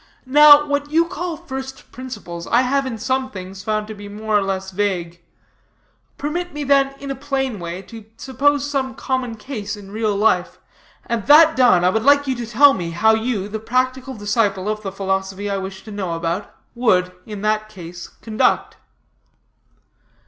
Now, what you call first principles, I have, in some things, found to be more or less vague. Permit me, then, in a plain way, to suppose some common case in real life, and that done, I would like you to tell me how you, the practical disciple of the philosophy I wish to know about, would, in that case, conduct."